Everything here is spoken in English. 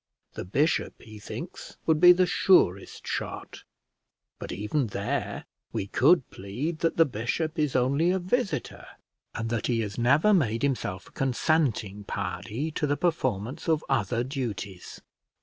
The bishop, he thinks, would be the surest shot; but even there we could plead that the bishop is only a visitor, and that he has never made himself a consenting party to the performance of other duties."